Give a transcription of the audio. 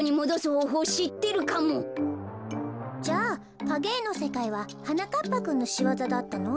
じゃあかげえのせかいははなかっぱくんのしわざだったの？